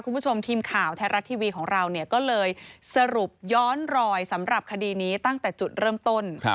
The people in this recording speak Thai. คุณผู้ชมทีมข่าวไทยรัฐทีวีของเราเนี่ยก็เลยสรุปย้อนรอยสำหรับคดีนี้ตั้งแต่จุดเริ่มต้น